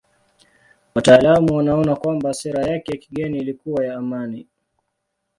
Wataalamu wanaona kwamba sera yake ya kigeni ilikuwa ya amani.